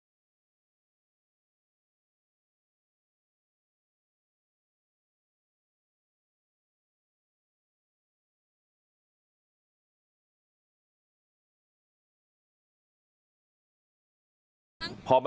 รถเนี่ยเกิดเหตุก่อนถึงวัดคลองเมืองจังหวัดพิศนุโลก